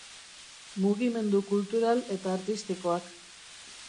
Mugimendu Kultural eta Artistikoak